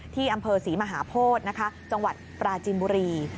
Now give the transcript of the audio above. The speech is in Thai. ที่อำเภอศรีมหาโพธินะคะจังหวัดปราจินบุรี